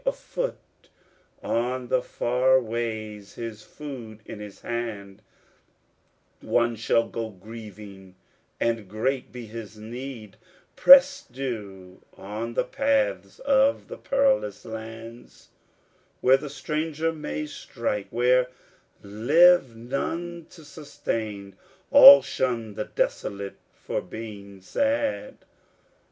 Afoot on the far ways, his food in his hand, One shall go grieving, and great be his need, Press dew on the paths of the perilous lands Where the stranger may strike, where live none to sustain. All shun the desolate for being sad.